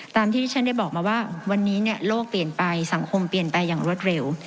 ตามที่ที่ฉันได้บอกมาว่าวันนี้โลกเปลี่ยนไปสังคมเปลี่ยนไปอย่างรวดเร็ว